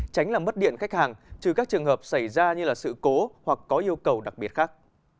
tránh làm mất điện khách hàng trừ các trường hợp xảy ra như sự cố hoặc có yêu cầu đặc biệt khác